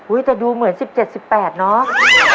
อุ้ยแต่ดูเหมือนสิบเจ็ดสิบแปดเนอะ